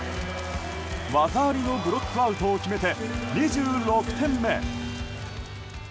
技ありのブロックアウトを決めて２６点目。